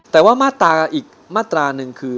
แต่ว่ามาตราอีกมาตราหนึ่งคือ